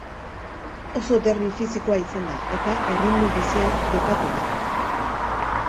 Oso derbi fisikoa izan da eta erritmo bizian jokatu da.